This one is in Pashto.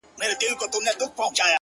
• د وخت مجنون يم ليونى يمه زه؛